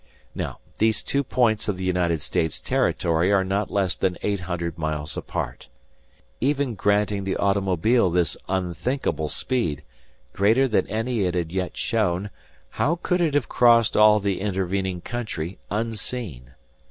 Now, these two points of the United States territory are not less than eight hundred miles apart. Even granting the automobile this unthinkable speed, greater than any it had yet shown, how could it have crossed all the intervening country unseen?